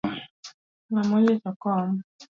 Ngama oyiecho kom?